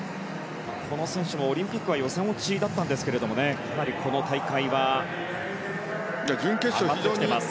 この選手もオリンピックは予選落ちだったんですがかなりこの大会は上がってきています。